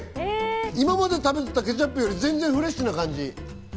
今まで食べてたケチャップより全然フレッシュな感じ。